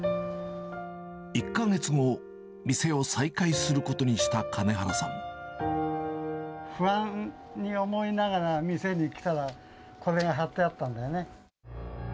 １か月後、店を再開すること不安に思いながら店に来たら、これが貼ってあったんだよね。